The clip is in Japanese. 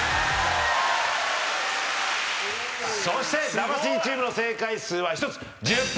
そして魂チームの正解数は１つ。